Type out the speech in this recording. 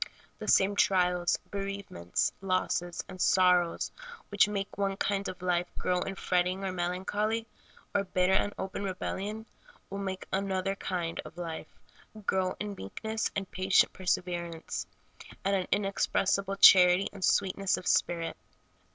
The same trials, bereavements, losses, and sorrows which make one kind of life grow in fretting or melancholy, or bitter and open rebellion, will make another kind of life grow in meekness and patient perseverance, and an inexpressible charity and sweetness of spirit.